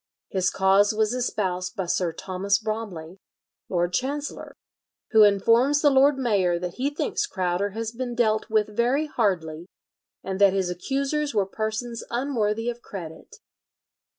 His cause was espoused by Sir Thomas Bromley, Lord Chancellor, who informs the lord mayor that he thinks Crowder has been dealt with very hardly, and that his accusers were persons unworthy of credit.